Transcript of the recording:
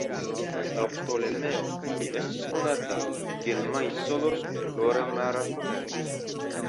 Laŭ Ptolemeo ĝi estis konata kiel Maisolos kun flora mara komerco.